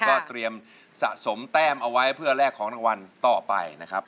ก็เตรียมสะสมแต้มเอาไว้เพื่อแลกของรางวัลต่อไปนะครับ